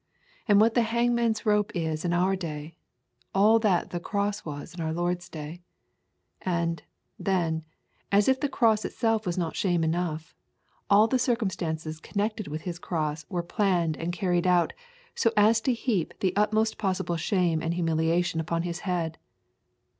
And what the hangman's rope is in our day, all that the cross was in our Lord's day. And, then, as if the cross itself was not shame enough, all the circumstances connected with His cross were planned and carried out so as to heap the utmost possible shame and humiliation upon His head.